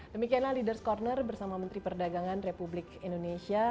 demikianlah leaders' corner bersama menteri perdagangan republik indonesia